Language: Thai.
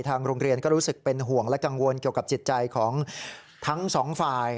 ทางโรงเรียนก็รู้สึกเป็นห่วงและกังวลเกี่ยวกับจิตใจของทั้งสองฝ่าย